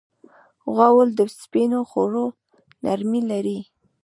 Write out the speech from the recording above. غول د سپینو خوړو نرمي لري.